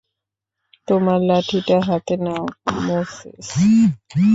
তোমার লাঠিটা হাতে নাও, মোসেস।